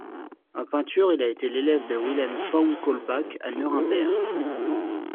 En peinture, il a été l’élève de Wilhelm von Kaulbach à Nuremberg.